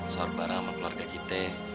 sahur bareng sama keluarga kita